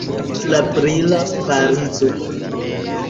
La brila Parizo.